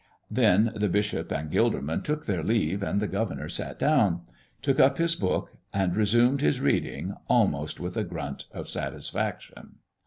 Then the bishop and Gilderman took their leave and the governor sat down, took up his book, and resumed his reading almost with a grunt of satisfaction.